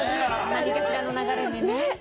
何かしらの流れにね。